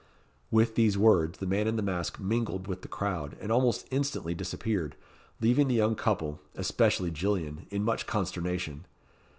With these words, the man in the mask mingled with the crowd, and almost instantly disappeared, leaving the young couple, especially Gillian, in much consternation.